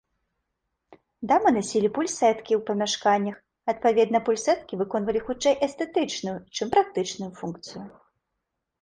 Дамы насілі пульсэткі ў памяшканнях, адпаведна пульсэткі выконвалі хутчэй эстэтычную, чым практычную функцыю.